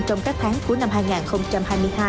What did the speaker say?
trong các tháng cuối năm hai nghìn hai mươi hai